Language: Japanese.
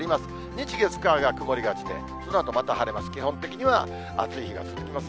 日、月、火が曇りがちで、そのあとまた晴れます。